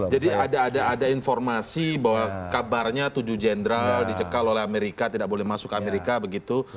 jadi ada ada informasi bahwa kabarnya tujuh jenderal dicekal oleh amerika tidak boleh masuk amerika begitu